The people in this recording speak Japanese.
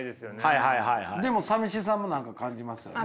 でもさみしさも何か感じますよね。